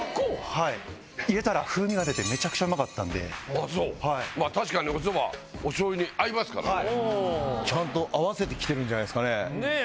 はい入れたら風味が出てめちゃくちゃうまかったんであっそうまぁ確かにおそばおしょう油に合いますからねちゃんと合わせてきてるんじゃないすかね